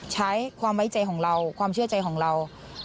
ใช้ความไว้ใจของเราความเชื่อใจของเรา